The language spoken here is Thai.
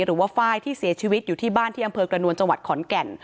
หรือว่าไฟล์ที่เสียชีวิตอยู่ที่บ้านที่อำเภอกระนวลจังหวัดขอนแก่น